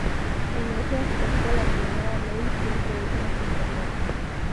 En ese aspecto la Primera Ley siempre es más importante.